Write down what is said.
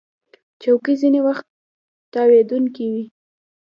چوکۍ ځینې وخت تاوېدونکې وي.